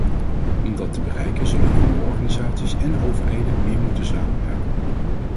Om dat te bereiken zullen jongerenorganisaties en overheden meer moeten samenwerken.